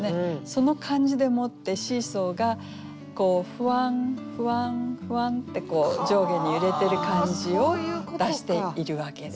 その感じでもってシーソーがふわんふわんふわんって上下に揺れてる感じを出しているわけですね。